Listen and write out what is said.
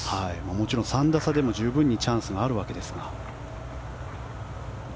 もちろん３打差でも十分にチャンスがあるわけですが。